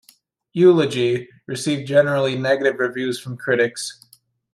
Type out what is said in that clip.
"Eulogy" received generally negative reviews from critics.